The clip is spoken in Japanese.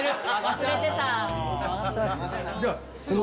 忘れてた！